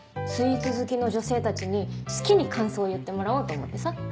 スイーツ好きの女性たちに好きに感想を言ってもらおうと思ってさ。